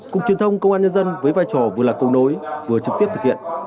cục truyền thông công an nhân dân với vai trò vừa là công đối vừa trực tiếp thực hiện